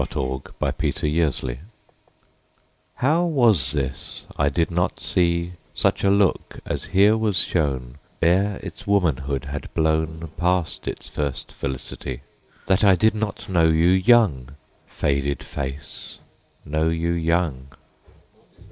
THE FADED FACE HOW was this I did not see Such a look as here was shown Ere its womanhood had blown Past its first felicity?— That I did not know you young, Faded Face, Know you young!